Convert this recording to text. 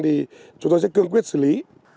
thì chúng tôi sẽ cương quyết xử lý